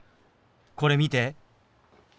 これ見て。